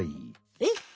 えっ？